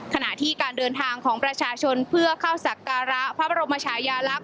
ขณะที่การเดินทางของประชาชนเพื่อเข้าสักการะพระบรมชายาลักษ